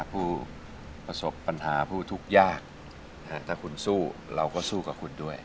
ผู้ประสบปัญหาผู้ทุกข์ยากถ้าคุณสู้เราก็สู้กับคุณด้วย